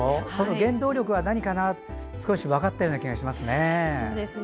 原動力は何か少し分かったような気がしますね。